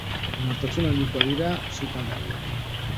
Nortasun handikoak dira sukaldariak.